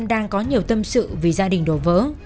đang có nhiều tâm sự vì gia đình đổ vỡ